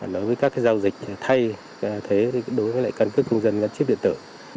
đối với các giao dịch thay thế đối với lại căn cước công dân gắn chip điện tử